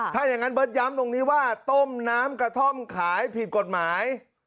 ถ้าอย่างนั้นเบิร์ตย้ำตรงนี้ว่าต้มน้ำกระท่อมขายผิดกฎหมาย